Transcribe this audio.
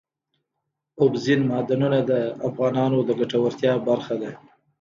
اوبزین معدنونه د افغانانو د ګټورتیا برخه ده.